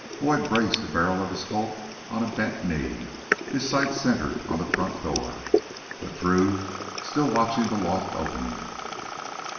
Boyd braced the barrel of his Colt on a bent knee, its sights centered on the front door. But Drew still watched the loft opening.